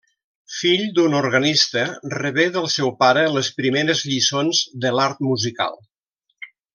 Fill d'un organista, rebé del seu pare les primeres lliçons de l'art musical.